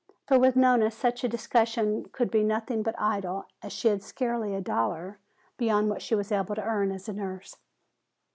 For with Nona such a discussion could be nothing but idle, as she had scarcely a dollar beyond what she was able to earn as a nurse.